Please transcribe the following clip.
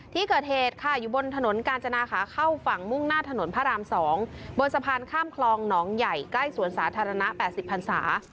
ที่เกิดเหตุค่ะอยู่บนถนนกาญจนาขาเข้าฝั่งมุ่งหน้าถนนพระราม๒บนสะพานข้ามคลองหนองใหญ่ใกล้สวนสาธารณะ๘๐พันศา